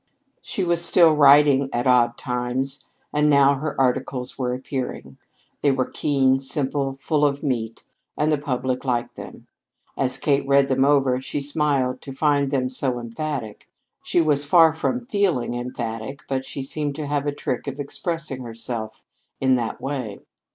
She was still writing at odd times'; and now her articles were appearing. They were keen, simple, full of meat, and the public liked them. As Kate read them over, she smiled to find them so emphatic. She was far from feeling emphatic, but she seemed to have a trick of expressing herself in that way.